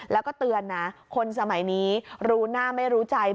แล้วก็เตือนนะคนสมัยนี้รู้หน้าไม่รู้ใจ